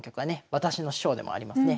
私の師匠でもありますね